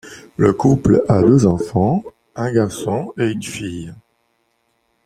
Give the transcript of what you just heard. Le couple a deux enfants, un garçon et une fille.